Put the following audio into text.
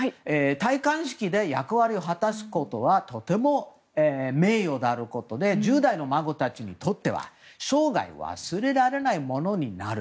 戴冠式で役割を果たすことはとても名誉があることで１０代の孫たちにとっては生涯忘れられないものになる。